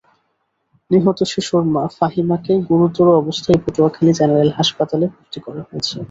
নিহত শিশুর মা ফাহিমাকে গুরুতর অবস্থায় পটুয়াখালী জেনারেল হাসপাতালে ভর্তি করা হয়েছে।